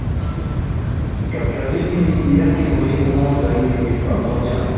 Kaskazini Miji yake muhimu zaidi ni pamoja